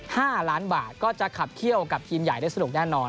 ห้าล้านบาทก็จะขับเขี้ยวกับทีมใหญ่ได้สนุกแน่นอน